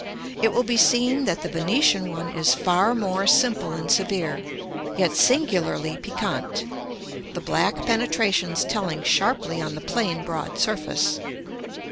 It will be seen that the Venetian one is far more simple and severe, yet singularly piquant, the black penetrations telling sharply on the plain broad surface.